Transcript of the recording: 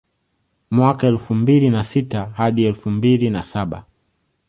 Mwaka elfu mbili na sita hadi elfu mbili na saba